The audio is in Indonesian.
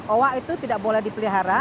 owa itu tidak boleh dipelihara